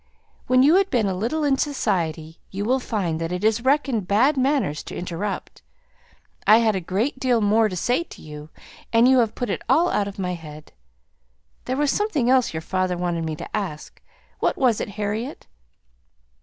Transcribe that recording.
When you have been a little in society you will find that it is reckoned bad manners to interrupt. I had a great deal more to say to you, and you have put it all out of my head. There was something else your father wanted me to ask what was it, Harriet?"